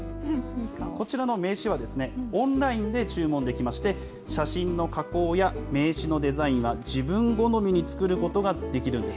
こちらの名刺はオンラインで注文できまして、写真の加工や名刺のデザインは自分好みに作ることができるんです。